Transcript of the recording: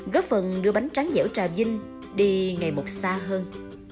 góp phần đưa bánh tráng dẻo trà vinh đi ngày một xa hơn